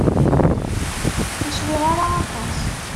Ur swiɣ ara aṭas.